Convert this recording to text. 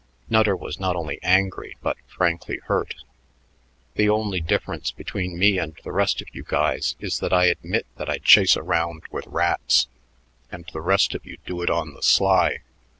Nutter was not only angry but frankly hurt. "The only difference between me and the rest of you guys is that I admit that I chase around with rats, and the rest of you do it on the sly.